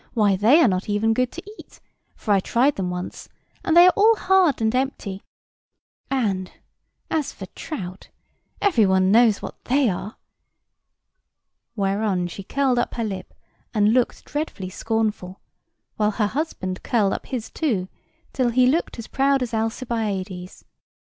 why they are not even good to eat; for I tried them once, and they are all hard and empty; and, as for trout, every one knows what they are." Whereon she curled up her lip, and looked dreadfully scornful, while her husband curled up his too, till he looked as proud as Alcibiades.